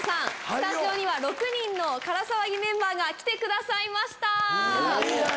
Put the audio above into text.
スタジオには６人の『から騒ぎ』メンバーが来てくださいました。